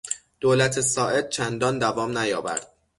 دولت ساعد چندان دوام نیاورد.